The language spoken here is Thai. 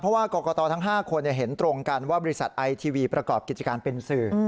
เพราะว่ากรกตทั้ง๕คนเห็นตรงกันว่าบริษัทไอทีวีประกอบกิจการเป็นสื่อ